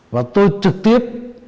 và tôi trực tiếp